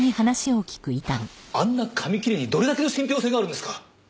あんな紙切れにどれだけの信憑性があるんですか。